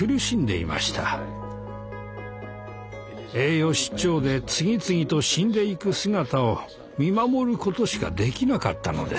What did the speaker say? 栄養失調で次々と死んでいく姿を見守ることしかできなかったのです。